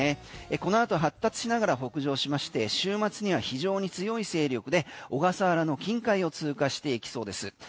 このあと発達しながら北上しまして、週末には非常に強い勢力で小笠原の近海を通過していきそうです。